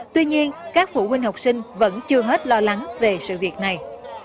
tuy nhiên các phụ huynh học sinh vẫn chưa hết lo lắng về sự việc này